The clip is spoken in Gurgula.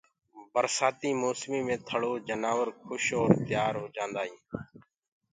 برسآتي موسمي مي ٿݪو جنآور کُش اور تيآ هوجآدآئين